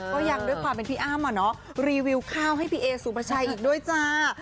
ก็ยังด้วยความเป็นพี่อ้ำอ่ะเนาะรีวิวข้าวให้พี่เอสูประชัยอีกด้วยจ้า